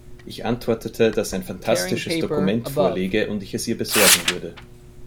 Ich antwortete, dass ein phantastisches Dokument vorläge und ich es ihr besorgen würde.